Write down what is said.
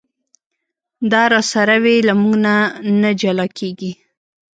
دا راسره وي له مونږه نه جلا کېږي.